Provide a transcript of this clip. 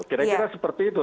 kira kira seperti itu